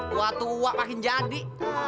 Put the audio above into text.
tua tua makin jadi